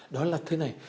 đó là thế này